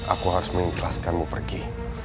aku harus mengikhlaskanmu pergi